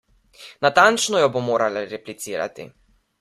Natančno jo bo morala replicirati.